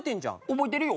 覚えてるよ。